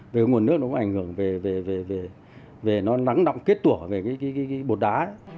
về nguồn nước nó có ảnh hưởng về nó nắng đọng kết tủa về cái bột đá